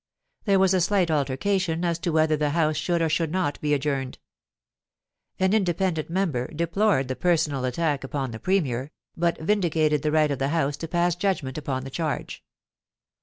There was a slight altercation as to whether the House should or should not be adjourned. An independent member deplored the personal attack upon the Premier, but vindicated the right of the House to pass judgment upon the charge.